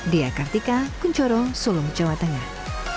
diakartika kuncoro solong jawa tengah